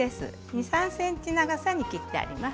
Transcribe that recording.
２、３ｃｍの長さに切ってあります。